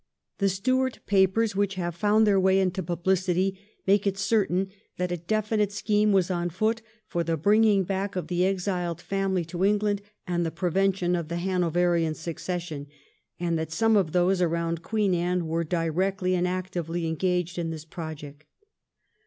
The Stuart papers which have found their way into publicity make it certain that a definite scheme was on foot for the bringing back of the exiled family to England and the prevention of the Hanoverian succession, and that some of those around Queen Anne were directly and actively engaged in this project.